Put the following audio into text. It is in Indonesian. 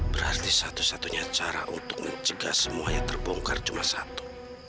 berarti satu satunya cara untuk mencegah semuanya terbongkar cuma satu